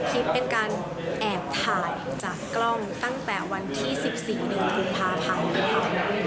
คลิปเป็นการแอบถ่ายจากกล้องตั้งแต่วันที่๑๔๑กุมภาพันธ์ค่ะ